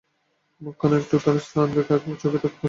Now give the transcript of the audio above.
মুখখানা একটু তাহার স্নান দেখাক, চোখে থাক গোপন রোদনের চিহ্ন?